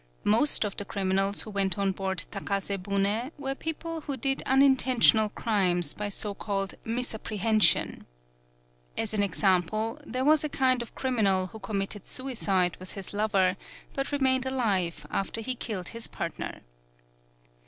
Most of the criminals who went on board Takase bune were peo ple who did unintentional crimes by so called misapprehension. As an exam ple, there was a kind of criminal who committed suicide with his lover, but re mained alive after he killed his partner.